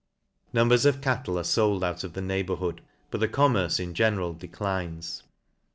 Numbers of cattle are fold out of the neighbourhood, but the commerce in general declines.